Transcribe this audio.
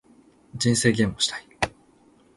人生ゲームをしたい